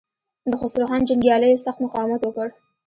د خسرو خان جنګياليو سخت مقاومت وکړ.